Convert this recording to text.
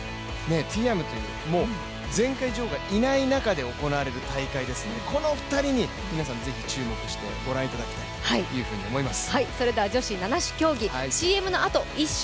今回は前回女王がいない中で行われる大会なのでこの２人に皆さん、ぜひ注目してご覧いただきたいと思います。